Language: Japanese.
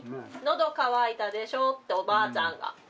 のど渇いたでしょっておばあちゃんが。